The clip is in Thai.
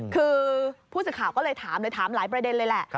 คือผู้สื่อข่าวก็เลยถามเลยถามหลายประเด็นเลยแหละ